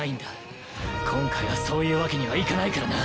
今回はそういう訳にはいかないからな。